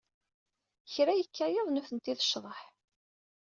Kra yekka yiḍ nutenti d ccḍeḥ.